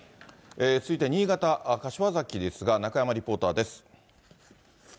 続いては新潟・柏崎ですが中山リポーターです。